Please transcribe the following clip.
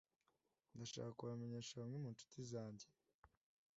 Ndashaka kubamenyesha bamwe mu nshuti zanjye.